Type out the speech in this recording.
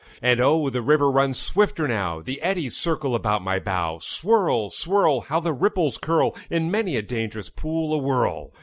And oh, the river runs swifter now; The eddies circle about my bow. Swirl, swirl! How the ripples curl In many a dangerous pool awhirl!